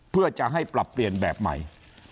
เพื่อจะให้ปรับเปลี่ยนแบบใหม่